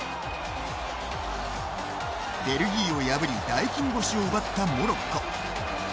ベルギーを破り大金星を奪ったモロッコ。